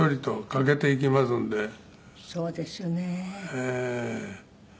ええ。